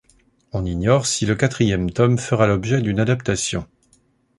On ignore si le quatrième tome fera l'objet d'une adaptation.